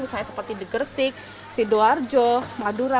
misalnya seperti degersik sidoarjo madura